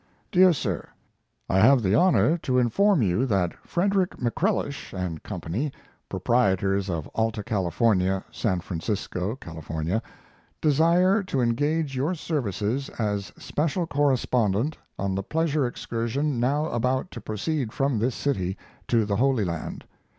DEAR SIR, I have the honor to inform you that Fred'k. MacCrellish & Co., Proprietors of Alta California, San Francisco, Cal., desire to engage your services as Special Correspondent on the pleasure excursion now about to proceed from this City to the Holy Land.